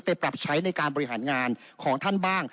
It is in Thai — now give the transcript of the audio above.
ปรับใช้ในการบริหารงานของท่านบ้าง